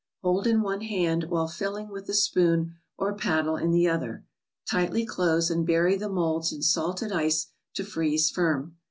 Hold in one hand, while filling with the spoon or paddle in the other. Tightly close, and bury the molds in salted ice to freeze firm.